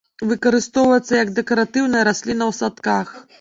Выкарыстоўваецца як дэкаратыўная расліна ў садках.